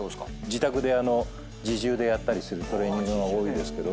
自宅で自重でやったりするトレーニングが多いですけど。